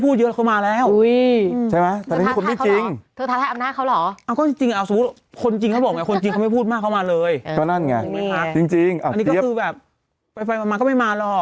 อือแต่สมัยข่าวทุกคนข่าวเช้าชอบพี่มิ้ว